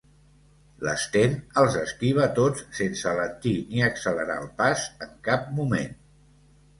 L'Sten els esquiva tots sense alentir ni accelerar el pas en cap moment.